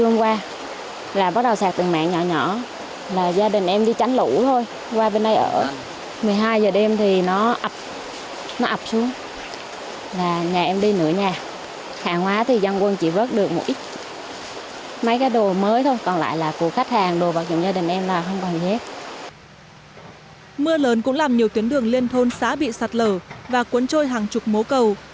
mưa lớn cũng làm nhiều tuyến đường liên thôn xá bị sạt lở và cuốn trôi hàng chục mố cầu